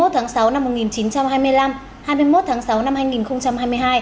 hai mươi tháng sáu năm một nghìn chín trăm hai mươi năm hai mươi một tháng sáu năm hai nghìn hai mươi hai